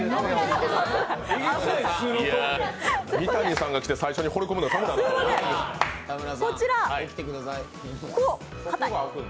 三谷さんが来て最初にほれ込むのは田村さん。